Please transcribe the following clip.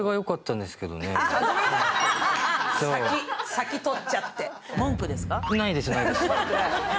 先、取っちゃって。